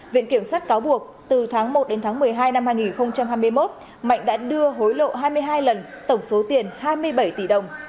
viện kiểm sát cáo buộc từ tháng một đến tháng một mươi hai năm hai nghìn hai mươi một mạnh đã đưa hối lộ hai mươi hai lần tổng số tiền hai mươi bảy tỷ đồng